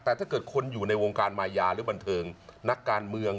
แต่ถ้าเกิดคนอยู่ในวงการมายาหรือบันเทิงนักการเมือง